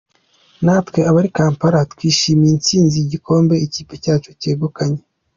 Natwe abari Kampala twishimiye intsinzi y’igikombe ikipe yacu yegukanye.